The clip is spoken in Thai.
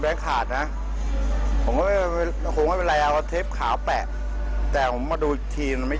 แล้วทุกอย่างของมันก็ไม่ปลอมผมก็เลยเก็บไว้